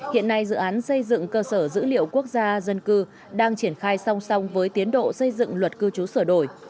hiện nay dự án xây dựng cơ sở dữ liệu quốc gia dân cư đang triển khai song song với tiến độ xây dựng luật cư trú sửa đổi